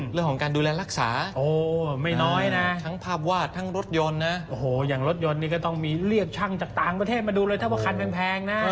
เรื่องของการดูแลรักษาไม่น้อยนะทั้งภาพวาดทั้งรถยนต์นะโอ้โหอย่างรถยนต์นี่ก็ต้องมีเรียกช่างจากต่างประเทศมาดูเลยถ้าว่าคันแพงนะ